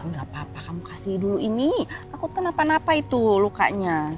nggak apa apa kamu kasih dulu ini takut kenapa napa itu lukanya